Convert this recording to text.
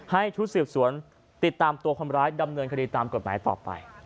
ให้ชุดสืบสวนติดตามตัวคนร้ายดำเนินคดีตามกฎหมายต่อไป